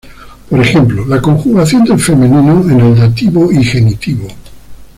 Por ejemplo, la conjugación del femenino en el dativo y genitivo.